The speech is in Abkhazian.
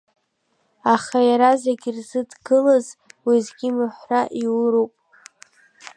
Аха иара зегь рзы дгылаз, уеизгьы маҳәра иуроуп…